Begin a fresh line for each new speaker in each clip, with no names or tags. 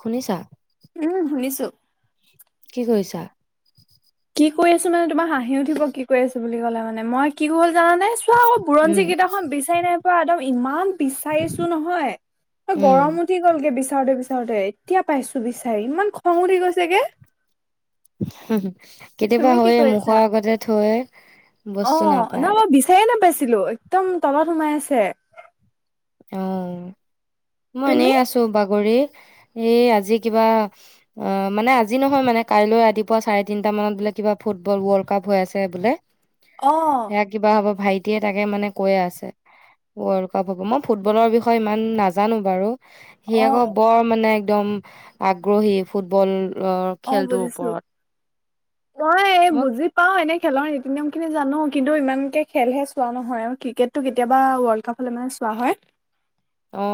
শুনিছা?
উম, শুনিছোঁ।
কি কৰিছা?
কি কৰি আছোঁ মানে তোমাৰ হাঁহি উঠিব কি কৰি আছো বুলি ক'লে মানে মই কি হ'ল জানানে, চোৱা আকৌ
উম
বুৰঞ্জী কিতাপ খন বিচাৰি নাই পোৱা একদম ইমান বিচাৰিছো নহয়,
উম
গৰম উঠি গলগে বিচাৰোতে বিচা তে এতিয়া পাইছোঁ বিচাৰি ইমান খং উঠি গৈছেগে।
হুম হু । কেতিয়াবা
তুমি কি
হৈয়ে
কৰিছা?
মুখৰ আগতে থৈ, বস্তু নাপায় ।
ছিলো একদম তলত সোমাই আছে।
অ। মই
তুমি?
এনেই আছোঁ বাগৰি। এই আজি কিবা, অ মানে আজি নহয় মানে কাইলৈ ৰাতিপুৱা চাৰে তিনটা মানত বোলে কিবা ফুটবল ৱৰ্ল্ড কাপ হৈ আছে বোলে।
অ'
সেয়া কিবা হ'ব ভাই এতিয়া তাকে মানে কৈয়ে আছে, ৱৰ্ল্ড কাব হ'ব ন ফুটবলৰ বিষয়ে ইমান নাজানো বাৰু। সি আকৌ
অ'
বৰ মানে একদম আগ্ৰহী ফুটবল ৰ
অ'
খেলটোৰ
বুজিছো।
ওপৰত
মই বুজি পাও, এনে খেলৰ নীতি নিয়ম খিনি জানো কিন্তু ইমানকে খেলহে চোৱা নহয় আৰু ক্ৰিকেটটো কেতিয়াবা ৱৰ্ল্ড কাপ হ'লে মানে চোৱা হয়।
অ,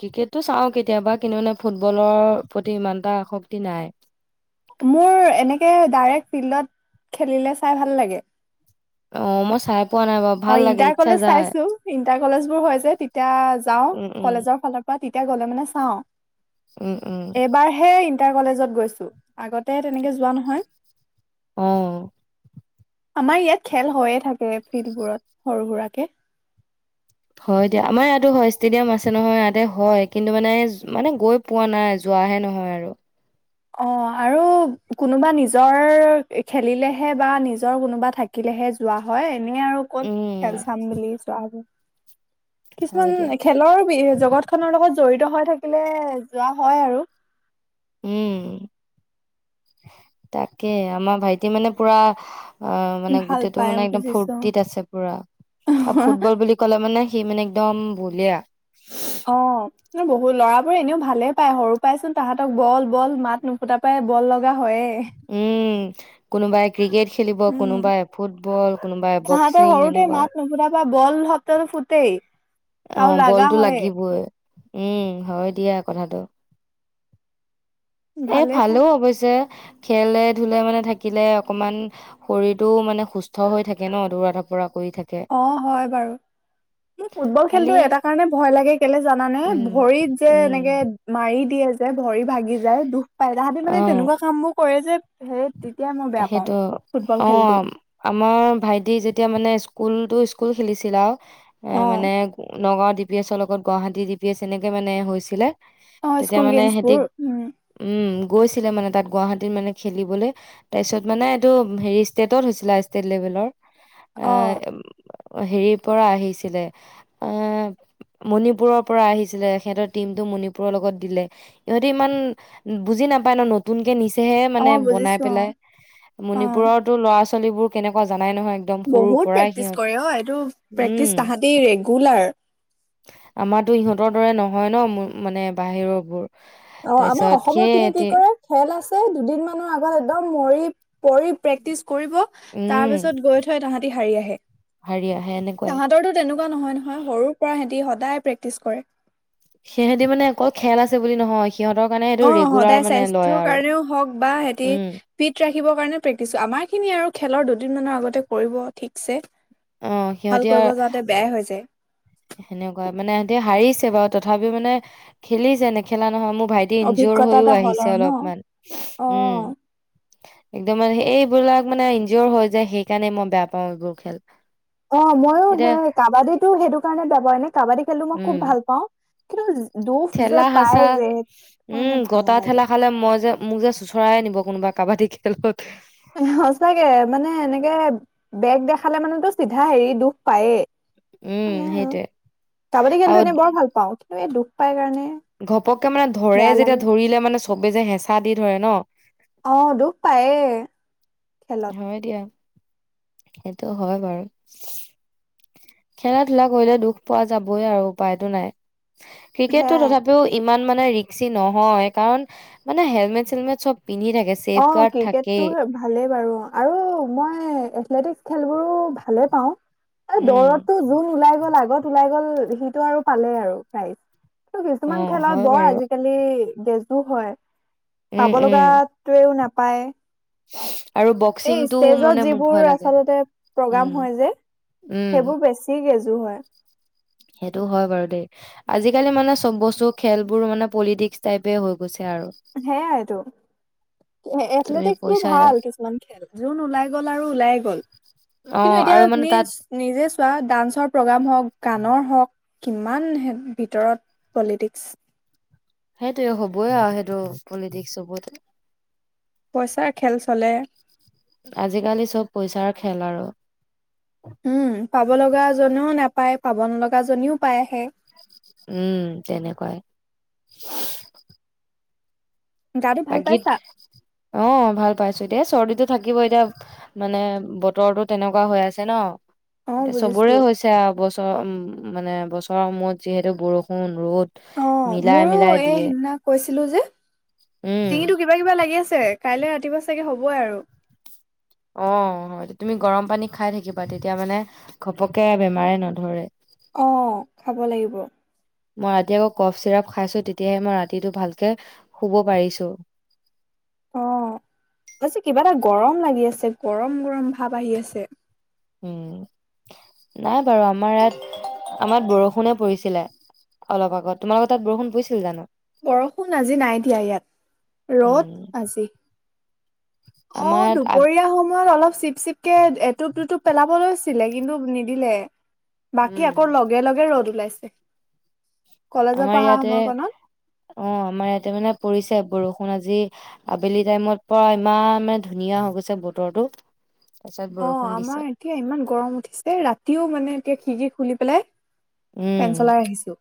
ক্ৰিকেটটো চাওঁ কেতিয়াবা কিন্তু মানে ফুটবলৰ প্ৰতি ইমানটা আসক্তি নাই।
মোৰ এনেকে ডাইৰেক্ট ফিল্ডত খেলিলে চাই ভাল লাগে।
অ, মই চাই- পোৱা নাই বাৰু
অ
ভাল লাগে
ইণ্টাৰ
ইচ্ছা
কলেজ
যায়
চাইছো, ইণ্টাৰ কলেজ বোৰ হৈ যে, তেতিয়া যাওঁ
উম উম
কলেজৰ ফালৰ পৰা তেতিয়া গলে মানে চাওঁ।
উম উম।
ণ্টাৰ কলেজত গৈছো, আগতে তেনেকে যোৱা নহয়।
অ।
আমাৰ ইয়াত খেল হৈয়ে থাকে। ফিল্ডবোৰত, সৰু সুৰাকে।
হয় দিয়া, আমাৰ ইয়াতো হয় ষ্টেডিয়াম আছে নহয় ইয়াতে হয় কিন্তু মানে, মানে গৈ পোৱা নাই যোৱাহে নহয় আৰু।
অ আৰু কোনোবা নিজৰ খেলিলেহে বা নিজৰ কোনোবা থাকিলেহে যোৱা হয়। এনে আৰু ক'ত
উম
খেল চাম বুলি যোৱা হব
হয়
কিছুমান
দিয়া
খেলৰ বি জগত খনৰ লগত জড়িত হৈ থাকিলে যোৱা হয় আৰু
উম তাকে আমাৰ ভাইটি মানে পুৰা অ মানে
ভাল
গোটেইটো
পাই
মানে একদম
বুজিছো
ফূৰ্তিত আছে পুৰা আৰু ফুটবল বুলি ক'লে মানে সি মানে একদম বলীয়া
অ বহুত ল'ৰাবোৰে এনেও ভালে পায় সৰু পাইচোন তাহাঁতক বল বল মাত নুফুটা পাই বল লগ।
উম কোনোবাই ক্ৰিকেট খেলিব
উম।
কোনোবাই ফুটবল বল
তাহাঁতে সৰুতে মাত নুফুতাপা বল শব্দটো ফুটেই
অ
আৰু লাগা
বলতো
হয়ে
লাগিবই উম হয় দিয়া কথাটো এ
ভালেই পায়
ভালো অৱশ্যে খেলে ধোলে মানে থাকিলে অকমান শৰীৰটো মানে সুস্থ হৈ থাকে ন দৌৰা ধপৰা কৰি থাকে।
অ হয় বাৰু মোক ফুটবল
খালি
খেলতো এটা কাৰণে ভয় লাগে কেলে জানানে
উম,
ভৰিত যে
উম,
এনেকে মাৰি দিয়ে । যে ভৰি ভাগি যায় দুখ পায় তাহাঁতি মানে
অ',
তেনেকুৱা কাম বোৰ কৰে যে হ [unintelligible]
সেইটো অ আমাৰ ভাইটি যেতিয়া মানে স্কুল তো স্কুল খেলিছিলা
অ
এই মানে নগাঁও ডি পি এছৰ লগত গুৱাহাটী ডি পি এছ এনেকৈ মানে হৈছিলে।
অ
তেতিয়া
স্কুল
মানে
গ্ৰাস
সিহঁতি
বোৰ উম
উম, গৈছিলে মানে তাত গুৱাহাটীত মানে খেলিবলৈ তাৰপিছত মানে এইটো হেৰি ষ্টেটত হৈছিলে ষ্টেট লেভেলৰ এ
অ
উ হেৰিৰ পৰা আহিছিলে অ মণিপুৰৰ পৰা আহিছিলে সিহঁতৰ টিমতটো মণিপুৰৰ লগত দিলে সিহঁতে ইমান বুজি নাপায় ন নতুনকে নিচে। নিছে
অ
মানে বনাই
বুজিছো অ
পেলাই।
অ
মণিপুৰোতো ল'ৰা ছোৱালী ছোৱালীবোৰ কেনেুৱা
বহুত প্ৰেক্টিচ কৰে অ এইটো প্ৰেক্টিচ তাহতি ৰেগুলাৰ।
আমাতো ইহঁতৰ দৰে নহয় ন মানে বাহিৰৰ বোৰ
অ আমাৰ
তাৰপিছত
অসমৰ
সেই
কিখিনি কি
এতি
কৰে খেল আছে দুদিন মানৰ আগত একদম মৰি পৰি প্ৰেক্টিছ কৰিব । তাৰ
উম,
পিছত গৈ থৈ তাহাঁত হাৰি আহে।
হাৰিয়া সে এনেকুৱাই।
তহঁতৰটো তেনেকুৱা নহয়, নহয় । সৰুৰ পৰা সে তি সদায় প্ৰেক্টিছ কৰে।
সিহঁতি মানে অকল খেল আছে বুলি নহয়, সিহঁতৰ কাৰণে এইটো
অ'
ৰেগুলাৰ
সদায়
মানে লয়
স্বাস্থ্যৰ
আৰু
কাৰণেও হওঁক বা হেতি
উম
ফিট ৰাখিবৰ কাৰণেও প্ৰেক্টিছ । আমাৰখিনি আৰু খেলৰ দুদিনমানৰ আগতে কৰিব ঠিকছে।
অ সিহঁতি
ভাল
আৰু
কৰিব যাওঁতে বেয়াই হৈ যায়।
সেনেকুৱা মানে সিহঁতি হাৰিছে বাৰু । তথাপিও মানে খেলিছে, নেখেলা নহয় । মোক ভাইটি ইনজ্যোৰ
অভিজ্ঞতা
হৈয়ো
এটা হ'ল
আহিছে
আৰু ন
অলপমান ।
অ
উম। একদম মানে এইবিলাক মানে ইনজ্যোৰ হৈ যায়, সেইকাৰণে মই বেয়া পাওঁ এইবোৰ খেল।
অ' ময়ো
এতিয়া
সেই কাবাডীতো সেইটো কাৰণে হোৱাৰ নে কাবাডী খেলোঁ। মই খুব ভাল পাওঁ। কিন্তু জ
ঠেলা-হেচাঁ, উম,
কাৰণে ভাল
গোটা
নালাগে
ঠেলা খালে মই যে- মোক যে চোঁচৰাই নিব কোনোবা কাবাডী খেলত
সচাঁকে মানে এনেকে বেগ দেখালে মানেটো চিধা হেৰি দুখ পায়ে।
উম
মানে আৰু ।
সেইটোৱে
কাবাডী খেলটো
আৰু
এনে বৰ ভাল পাওঁ। কিন্তু এই দুখ পাই কাৰণে
ঘপককে মানে ধৰে
বেয়া
যেতিয়া,
লাগে
ধৰিলে মানে চবে যে হেঁচা দি ধৰে ন'
অ' দুখ পায়ে। খেলত
হয় দিয়া। সেইটো হয় বাৰু। খেলা-ধূলা কৰিলে দুখ পোৱা যাবই আৰু, উপায়টো নাই। ক্ৰিকেটটো
সেয়াই
তথাপিও ইমান ইমান মানে ৰিক্সি নহয় । কাৰণ মানে হেলমেট-চেলমেট চব পিন্ধি থাকে ছেফ
অ'
গাৰ্ড
ক্ৰিকেটটো
থাকেই
ভালেই বাৰু। আৰু মই এথলেটিক্স খেলবোৰো ভালে পাওঁ। এ
উম
দৌৰততো যোন ওলাই গ'ল আগত, ওলাই গ'ল, সিটো আৰু পালেই আৰু প্ৰাইজ।
অ
কিছুমান
হয়
খেলত বৰ
বাৰু
আজিকালি ডেজো হয়। পাব
উম উম
লগা টোৱেই নাপায়
আৰু
এই
বক্সিংটো
ষ্টেজত
মানে মোৰ
যিবোৰ
ভয় লাগে
আচলতে প্ৰগ্ৰাম
উম
হয় যে
উম
সেইবোৰ বেছি য হয়
সেইটো হয় বাৰু দেই আজিকালি মানে চব বস্তু খেলবোৰ মানে পলিটিক্স টাইপে হৈ গৈছে। আৰু
সেয়াই এইটো
তুমি
এথলেটিক বোৰ
পইচা
ভাল কিছুমান খেল যোন ওলাই গল আৰু ওলাই গল
অ
কিন্তু
আৰু
এতিয়া
মানে
তুমি
তাত
নিজে চোৱা ডান্সৰ প্ৰগ্ৰাম হওক কাণৰ হওক কিমান ভিতৰত পলিটিক্স
সেইটোৱে হবই আৰু সেইটো পলিটিক্স চবত
পইচাৰ খেল চলে
আজিকালি চব পইচাৰ খেল আৰু
উম পাব লগা জনেও নাপায় পাব নলগা জনীও পাই আহে
উম তেনেকুৱাই
গাটো ভাল
বাকীত
পাইছা
অ ভাল পাইছো এ দে চৰ্দিটো থাকিব এতিয়া মানে বতৰটো তেনেকুৱা হৈ আছে ন
অ
এয়া চবৰে
বুজিছো
হৈছে বছৰ উম মানে বছৰৰ সময়ত যিহেতু বৰষুণ ৰ'দ
অঁ
মিলাই
মোৰো
মিলাই
এই
দিয়ে
সেইদিনা কৈছিলো যে
উম,
ডিঙিতটো কিবা কিবা লাগি আছে কাইলে ৰাতিপুৱা চাগে হ'বই আৰু
অঁ হয় তুমি গৰম পানী খাই থাকিবা, তেতিয়া মানে ঘপকে বেমাৰে নধৰে
অঁ খাব লাগিব।
মই ৰাতি আকৌ কফ চিৰাপ খাইছো তেতিয়াহে মই ৰাতিটো ভালকে শুব পাৰিছোঁ
অঁ পাছে কিবা এটা গৰম লাগি আছে গৰম গৰম ভাৱ আহি আছে
উম নাই বাৰু আমাৰ ইয়াত আমাৰ বৰষুণে পৰিছিলে অলপ আগত তোমালোকৰ তাত বৰষুণ পৰিছিল জানো
বৰষুণ আজি নাই দিয়া ইয়াত
উম।
ৰ'দ আজি অঁ
আমাৰ ইয়াত আ
দুপৰীয়া সময়ত অলপ চিপ চিপ কে এটোপ দুুটুপ পেলাব লৈছিলে কিন্তু নিদিলে বাকী
উম।
আকৌ লগে লগে ৰ'দ ওলাইছে ছে
আমাৰ ইয়াতে অঁ আমাৰ ইয়াতে মানে পৰিছে বৰষুণ মানে আজি আবেলি টাইমত পৰা ইমান মানে ধুনীয়া হৈ গৈছে বতৰটো তাৰপিছত
অঁ
বৰষুণ দিছে।
আমাৰ এতিয়া ইমান গৰম উঠিছে ৰাতিও মানে এতিয়া খিৰকি খুলি পেলাই
উম,
ফেন চলাই আহিছো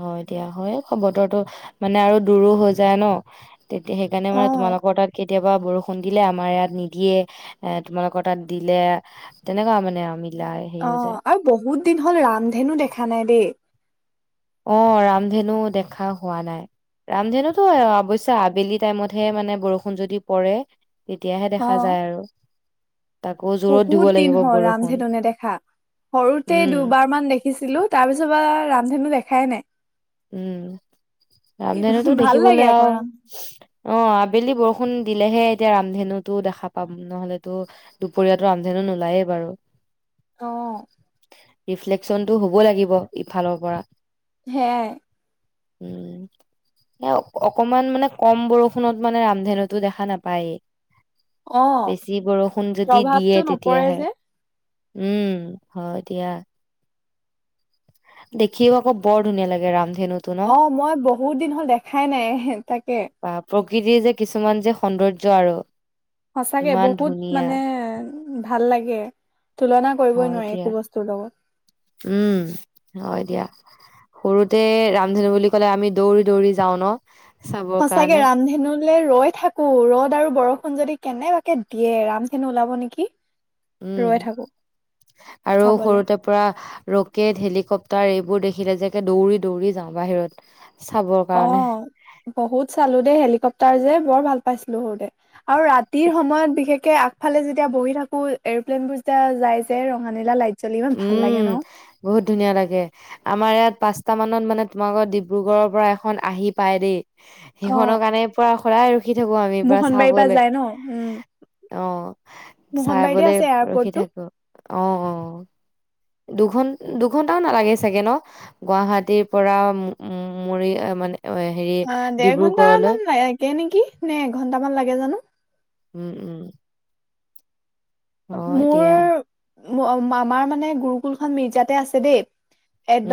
হয় এতিয়া হয় বতৰো মানে আৰু দূৰো হৈ যায় ন তেতিয়া সেইকাৰণে মানে
অ
তোমালোকৰ তাত কেতিয়াবা বৰষুণ দিলে আমাৰ ইয়াত নিদিয়ে এ তোমালোকৰ তাত দিলে তেনেকুৱা মানে আমি
অঁ আৰু বহুত দিন হ'ল ৰামধেনু দেখা নাই দেই
অ ৰামধেনু দেখা হোৱা নাই ৰামধেনুতো অবশ্যে আবেলি টাইমতহে মানে বৰষুণ যদি পৰে তেতিয়াহে
অ
দেখা যায় আৰু। তাকো জোৰত দিব
বহুত
লাগিব
দিন হল
বৰষুণ
ৰামধেনু নেদেখা সৰুতে
উম
দুবাৰ মান দেখিছিলো তাৰ পিছৰ বা ৰা ধেনু দেখাই নাই
উম ৰামধেনুতো
ভাল লাগে
দেখিবলৈ
আকৌ
আৰু
ৰাম
অ আবেলি বৰষুণ দিলেহে এতিয়া ৰামধেনুতো দেখা পাম নহলেতো দুপৰীয়তো ৰামধেনু নোলায়েই বাৰু
অহ
ৰিফ্লেকচনতটো হ'ব লাগিব ইফালৰ পৰা
সেয়াই
উম অকমান মানে কম বৰষুণত মানে ৰামধেনুতো দেখা নাপায়
অ
বেছি বৰষুণ যদি দিয়ে
প্ৰভাৱটো নপৰে
তেতিয়াহে
যে
উম হয় দিয়া দেখিও আকৌ বৰ ধুনীয়া লাগে । ৰামধেনু
অ মই বহুত দিন হ'ল দেখাই নাই হে তাকে
বা প্ৰকৃতিৰ যে কিছুমান যে সৌন্দৰ্য আৰু
সচাঁকে
ইমান
বহুত
ধুনীয়া
মানে ভাল লাগে তুলনা কৰিবই
হয়
নোৱাৰি
দিয়া
একো বস্তুৰ লগত
উম হয় দিয়া সৰুতে ৰামধেনু বুলি ক'লে আমি দৌৰি দৌৰি যাওঁ ন চাবৰ
সঁচাকে
কাৰণে
ৰামধেনুলে ৰৈ থাকোঁ ৰ'দ আৰু বৰষুণ যদি। কেনেবাকে দিয়ে ৰামধেনু ওলাব নেকি?
উম
ৰৈ থাকো
আৰু
চাবলে
সৰুতে পৰা ৰকেট হেলিকপ তাৰ এইবোৰ দেখিলে যে দৌৰি দৌৰি যাওঁ বাহিৰত চাবৰ
অ
কাৰণে
বহুত চালো দেই হেলিকপ্টাৰ যে বৰ ভাল পাইছিলো সৰুতে আৰু ৰাতিৰ সময়ত বিশেষকে আগফালে যেতিয়া বহি থাকো এৰপ্লেইন বোৰ যেতিয়া যাই যে ৰঙা নীলা লাইট জ্বলি ইমান ভাল লাগে
উম
ন
বহুত ধুনীয়া লাগে আমাৰ ইয়াত পাঁচ টা মানত মানে তোমালোকৰ ডিব্ৰুগড়ৰ পৰা এখন আহি পায় দেই ।
অ
সিখনৰ কাৰণে পৰা কৰা আৰু ৰখি থাকো আমি পৰা
মোহনবাৰীৰ
চাবলৈ
যায় ন উম
অহ
মোহনবাৰীতে
চাবলে
আছে
ৰখি
এয়াৰপৰ্টটো
থাকো অ অ দুঘন দুঘন্টাও নালাগে চাগে ন গুৱাহাটীৰ পৰা মৰি মানে হেৰি
অ দেৰ
ডিব্ৰুগড়লৈ
ঘন্টামান লাগে নেকি নে এঘন্টামান লাগে জানোঁ।
উম উম অ
মোৰ
এতিয়া
আমাৰ মানে গুৰুকুলখন মিৰ্জাতে আছে দেই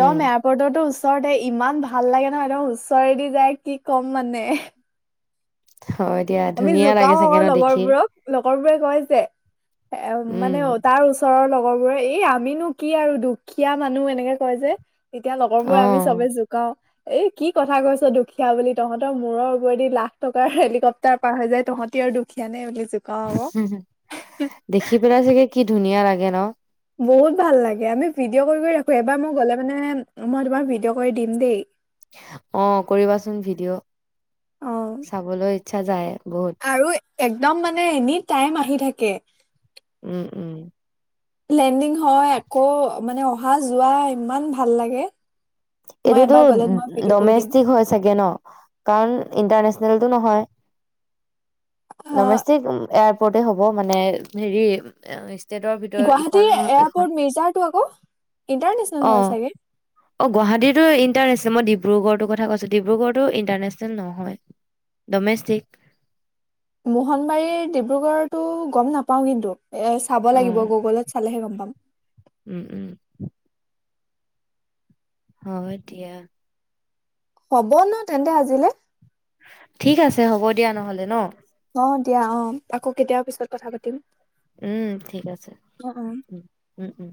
উম
এয়াৰপৰ্টতো। ওচৰতে ইমান ভাল লাগে নহ একদম ওচৰেদি যায় কি ক'ম মানে।
হয় দিয়া
আমি
ধুনীয়া লাগে
জোকাও
চাগে
আকৌ
ন
লগৰ
দেখি
বোৰক লগৰ বোৰে কৈ যে এ মানে
উম
তাৰ ওচৰৰ লগত। লগৰবোৰে এই আমিনো কি আৰু দুখীয়া মানুহ এনেকে কয় যে। এতিয়া
অ
লগৰবোৰ আমি চবে জোকাও। এই কি কথা কৈছ। দুখীয়া বুলি তহঁতৰ মূৰ ওপৰেদি লাখ টকাৰ হেলিকপটাৰ। তা পাৰ হৈ যায় তহঁতি আৰু দুখীয়া নে। জোকাও আকৌ
দেখি পেলাই চাগেই। কি ধুনীয়া লাগে ন।
বহুত ভাল লাগে আমি ভিডিঅ' কৰি কৰি ৰাখোঁ এবাৰ মই গ'লে মানে মই তোমাক ভিডিঅ' কৰি দিম দেই।
অ কৰিবাচোন
অ
ভিডিঅ' চাবলৈ। ইচ্ছা যায়। বহুত
আৰু একদম মানে এনি টাই আহি থাকে। কে
উম উম
লেণ্ডিং হয় আকৌ মানে আহা যোৱা ইমান ভাল লাগে। মই
এইটোতো
এবাৰ গ'লে তোমাক ভিডিঅ' কৰি দিম।
ডমেষ্টিক হৈ চাগে ন কাৰণ ইণ্টাৰনেচনেলতটো নহয়।
অ'
ডমেচটিক ওপৰতে হ'ব মানে হেৰি ষ্টেটৰ ভিতৰত ইখন
গুৱাহাটীৰ
ইখন
এয়াৰপৰ্ট মিজাৰ তো আকৌ ইন্টাৰনেচনেল হয় চাগে।
এটো ইটাৰনেচনেল মই ডিব্ৰুগড়ৰ কথা কৈছোঁ ডিব্ৰুগড়তো ইণ্টাৰনেচনেল নহয় ডমেচষ্টিক।
মোহনবাৰীৰ ডিব্ৰুগড়তো গম নাপাওঁ কিন্তু। এ চাব
অ
লাগিব গুগলত চালেহে গম পাম।
উম উম হয় এতিয়া।
হ'ব ন তেন্তে আজিলে।
ঠিক আছে হ'ব দিয়া নহ'লে ন।
অ দিয়া অ আকৌ কেতিয়াবা পিছত কথা পাতিম।
উম ঠিক আছে
অ' অ'।
উ উম উম।